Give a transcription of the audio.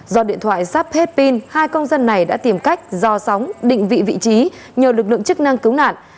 do điện thoại sắp hết pin hai công dân này đã tìm cách do sóng định vị vị trí nhờ lực lượng chức năng cứu nạn